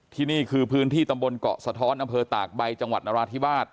นี่คือพื้นที่ตำบลเกาะสะท้อนอำเภอตากใบจังหวัดนราธิวาส